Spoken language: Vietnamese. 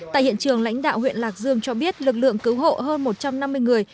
tại hiện trường lãnh đạo huyện lạc dương cho biết lực lượng cứu hộ hơn một trăm năm mươi người